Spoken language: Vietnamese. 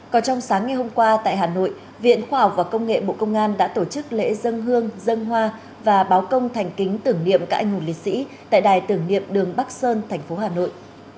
còn trong sáng ngày hôm qua tại hà nội viện khoa học và công nghệ bộ công an đã tổ chức lễ dân hương dân hoa và báo công thành kính tưởng niệm các anh hùng liệt sĩ tại đài tưởng niệm đường bắc sơn thành phố hà nội